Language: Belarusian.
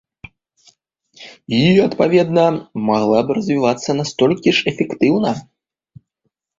І, адпаведна, магла б развівацца настолькі ж эфектыўна?